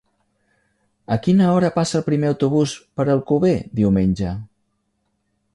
A quina hora passa el primer autobús per Alcover diumenge?